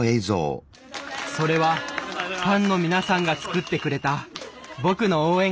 それはファンの皆さんが作ってくれた僕の応援歌。